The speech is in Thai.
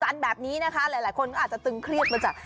แบบนี้นะคะหลายคนก็อาจจะตึงเครียดมาจาก